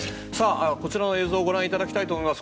こちらの映像をご覧いただきたいと思います。